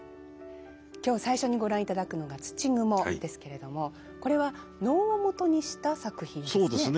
今日最初にご覧いただくのが「土蜘」ですけれどもこれは能をもとにした作品ですね。